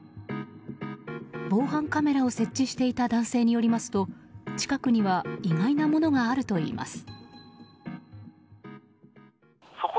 防犯カメラを設置していた男性によりますと近くには意外なものがあるといいます。